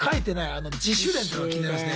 あの「自主練」ってのが気になりますね。